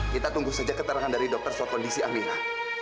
kita tunggu saja keterangan dari dokter soal kondisi amira